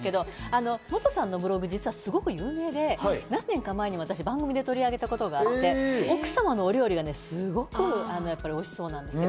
モトさんのブログは有名で、何年か前に番組で取り上げたことがあって、奥様のお料理がすごくおいしそうなんですよ。